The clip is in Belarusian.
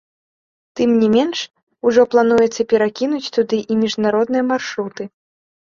Тым не менш, ужо плануецца перакінуць туды і міжнародныя маршруты.